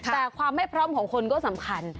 แต่ความไม่พร้อมของคนก็สำคัญ